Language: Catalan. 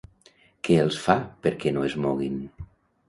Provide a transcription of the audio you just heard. Què els fa perquè no es moguin?